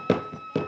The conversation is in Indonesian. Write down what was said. di tempat lain